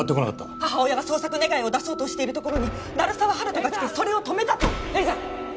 母親が捜索願を出そうとしているところに鳴沢温人が来てそれを止めたと絵里さん！